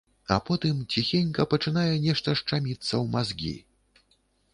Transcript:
А потым ціхенька пачынае нешта шчаміцца ў мазгі.